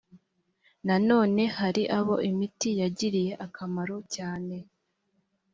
nanone hari abo imiti yagiriye akamaro cyane